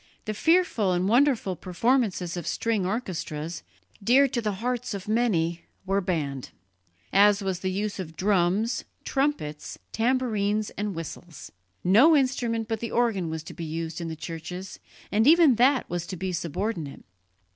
The fearful and wonderful performances of string orchestras, dear to the hearts of many, were banned, as was the use of drums, trumpets, tambourines and whistles. No instrument but the organ was to be used in the churches, and even that was to be subordinate.